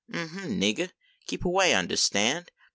Um hm, niggah, keep away, understand